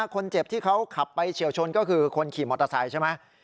คนที่เขาขับไปเฉียวชนก็คือคนขี่มอเตอร์ไซค์ใช่ไหม